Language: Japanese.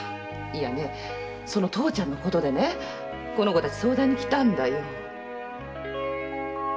その父ちゃんのことでねこの子たち相談に来たんだよ。